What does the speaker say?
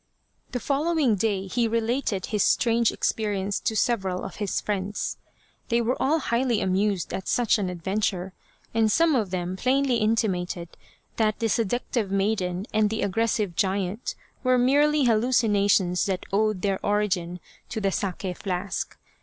The following day he related his strange experience to several of his friends. They were all highly amused at such an adventure, and some of them plainly inti mated that the seductive maiden and the aggressive giant were merely hallucinations that owed their origin to the sake flask.